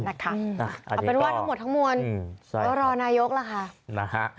เอาเป็นว่าทั้งหมดทั้งมวลแล้วรอนายกล่ะค่ะ